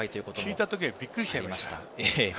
聞いたときはびっくりしました。